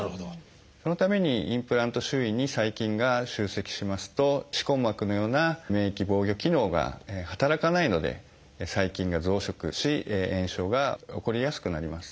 そのためにインプラント周囲に細菌が集積しますと歯根膜のような免疫防御機能が働かないので細菌が増殖し炎症が起こりやすくなります。